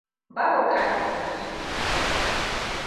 Babu bukatar kiran suna.